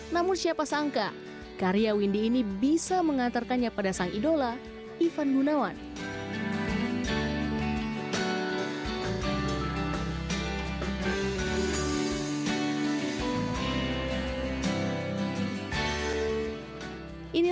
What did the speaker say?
namun siapa sangka karya windy ini bisa mengantarkannya pada sang idola ivan gunawan